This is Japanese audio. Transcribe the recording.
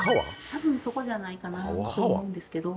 多分そこじゃないかなと思うんですけど。